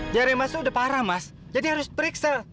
jaringan mas itu udah parah mas jadi harus periksa